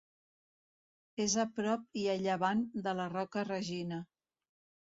És a prop i a llevant de la Roca Regina.